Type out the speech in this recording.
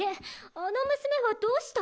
あの娘はどうした？